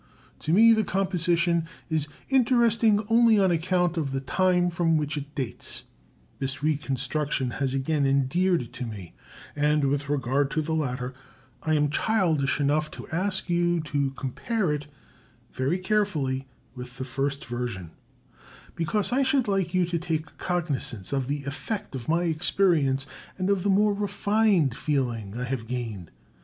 To me the composition is interesting only on account of the time from which it dates; this reconstruction has again endeared it to me; and, with regard to the latter, I am childish enough to ask you to compare it very carefully with the first version, because I should like you to take cognizance of the effect of my experience and of the more refined feeling I have gained.